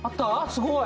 すごい。